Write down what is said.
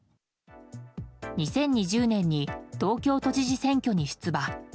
２０２０年に東京都知事選挙に出馬。